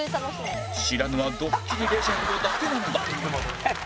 知らぬはドッキリレジェンドだけなのだ